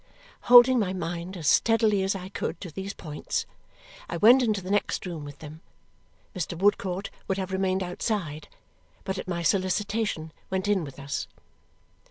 Holding my mind as steadily as I could to these points, I went into the next room with them. Mr. Woodcourt would have remained outside, but at my solicitation went in with us.